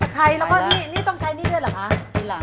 ไครแล้วก็ต้องใช้นี่ด้วยหรอค่ะ